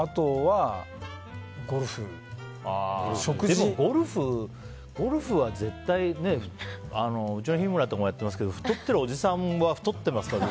でもゴルフは絶対にうちの日村とかもやっていますけど太ってるおじさんは太ってますから。